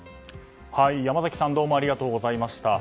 山崎さんどうもありがとうございました。